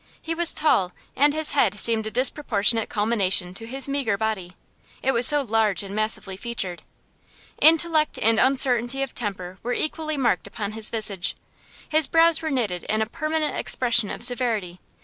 He was tall, and his head seemed a disproportionate culmination to his meagre body, it was so large and massively featured. Intellect and uncertainty of temper were equally marked upon his visage; his brows were knitted in a permanent expression of severity.